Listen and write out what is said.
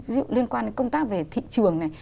ví dụ liên quan đến công tác về thị trường này